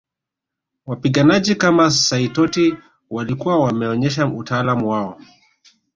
Wapiganaji kama Saitoti walikuwa wameonyesha utaalam wao